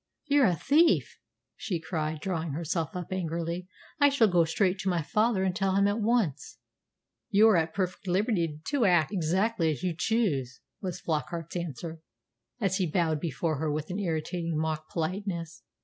"You're a thief!" she cried, drawing herself up angrily. "I shall go straight to my father and tell him at once." "You are at perfect liberty to act exactly as you choose," was Flockart's answer, as he bowed before her with irritating mock politeness.